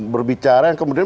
berbicara yang kemudian